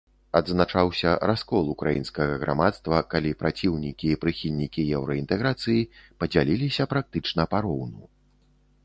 Адзначаўся раскол украінскага грамадства, калі праціўнікі і прыхільнікі еўраінтэграцыі падзяліліся практычна пароўну.